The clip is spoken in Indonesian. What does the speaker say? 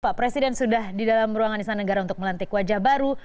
pak presiden sudah di dalam ruangan istana negara untuk melantik wajah baru